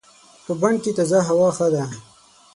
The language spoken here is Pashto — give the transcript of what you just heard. په بڼ کې تازه هوا ښه ده.